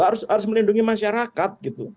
harus melindungi masyarakat gitu